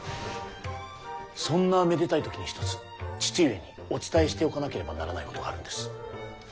そんなめでたい時に一つ父上にお伝えしておかなければならないことがあるんです。